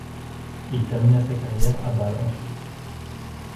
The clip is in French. Il termina sa carrière à Bâle en Suisse.